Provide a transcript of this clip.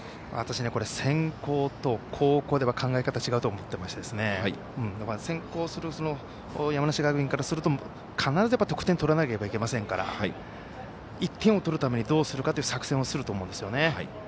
私、先攻と後攻で考え方が違うと思ってまして先攻する山梨学院からすると必ず得点を取らなければいけませんから１点を取るためにどうするかという作戦をすると思うんですね。